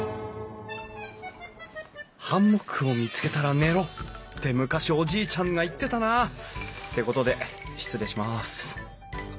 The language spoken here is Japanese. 「ハンモックを見つけたら寝ろ」って昔おじいちゃんが言ってたな。ってことで失礼します